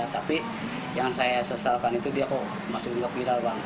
tapi yang saya sesalkan itu dia kok masukin ke piral bang